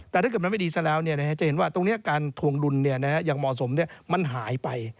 แต่ถ้าเกิดมันไม่ดีซะแล้วเนี่ยนะฮะจะเห็นว่าตรงนี้การถวงดุลเนี่ยนะฮะอย่างเหมาะสมเนี่ยมันหายไป